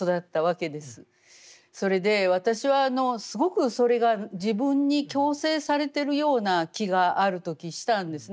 それで私はすごくそれが自分に強制されてるような気がある時したんですね。